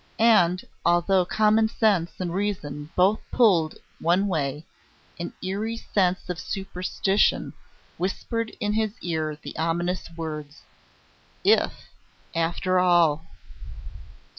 And although commonsense and reason both pulled one way, an eerie sense of superstition whispered in his ear the ominous words, "If, after all!"